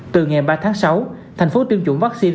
từ ngày ba tháng sáu thành phố tiêm chủng vaccine